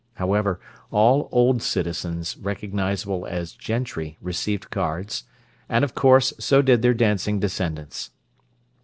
However, all "old citizens" recognizable as gentry received cards, and of course so did their dancing descendants.